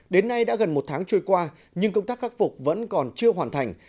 đến nay đã gần một tháng trôi qua nhưng công tác khắc phục vẫn còn chưa hoàn thành